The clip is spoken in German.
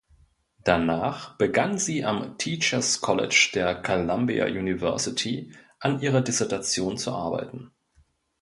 Danach begann sie am Teachers College der Columbia University an ihrer Dissertation zu arbeiten.